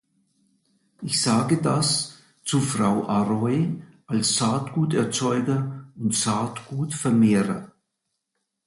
Ich sage das zu Frau Auroi als Saatguterzeuger und Saatgutvermehrer.